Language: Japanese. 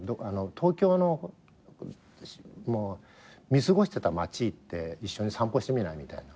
東京の見過ごしてた街行って一緒に散歩してみない？みたいな。